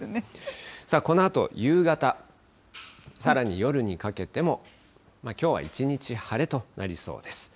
このあと夕方、さらに夜にかけても、きょうは一日晴れとなりそうです。